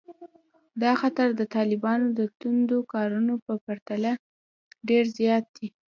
دا خطر د طالبانو د توندو کارونو په پرتله ډېر زیات دی